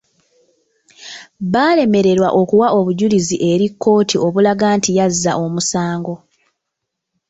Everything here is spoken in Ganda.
Baalemererwa okuwa obujulizi eri kkooti obulaga nti yazza omusango.